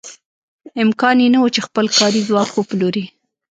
امکان یې نه و چې خپل کاري ځواک وپلوري.